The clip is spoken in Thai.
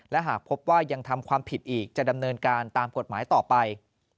และหากพบว่ายังทำความผิดอีกจะดำเนินการตามกฎหมายต่อไป